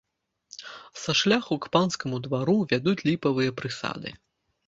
Са шляху к панскаму двару вядуць ліпавыя прысады.